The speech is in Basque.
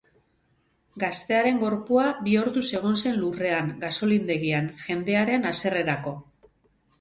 Gaztearen gorpua bi orduz egon zen lurrean, gasolindegian, jendearen haserrerako.